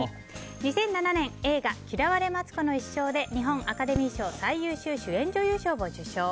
２００７年映画「嫌われ松子の一生」で日本アカデミー賞最優秀主演女優賞を受賞。